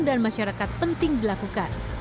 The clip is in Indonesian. dan masyarakat penting dilakukan